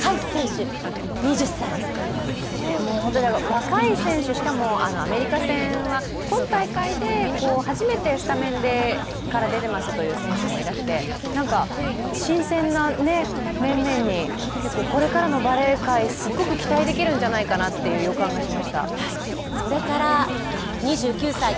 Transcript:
若い選手、しかもアメリカ戦は今大会で初めてスタメンから出ていますという選手もいらして、なんか、新鮮な面々に、結構これからのバレー界すっごく期待できるんじゃないかなという予感がしました。